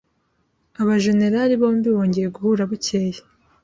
Abajenerali bombi bongeye guhura bukeye.